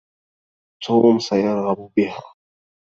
توم سيرغب بها.